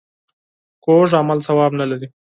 کوږ عمل ثواب نه لري